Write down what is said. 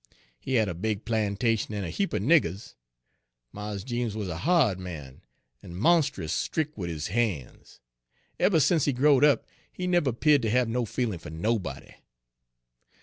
He had a big plantation en a heap er niggers. Mars Jeems wuz a ha'd man, en monst'us stric' wid his han's. Eber sence he growed up he nebber 'peared ter hab no feelin' fer nobody.